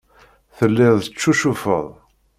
Telliḍ teccucufeḍ.